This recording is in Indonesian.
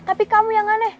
tapi kamu yang aneh